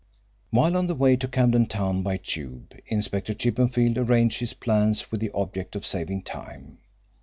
While on the way to Camden Town by Tube, Inspector Chippenfield arranged his plans with the object of saving time.